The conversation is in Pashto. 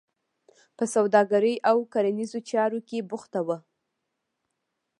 په سوداګرۍ او کرنیزو چارو کې بوخته وه.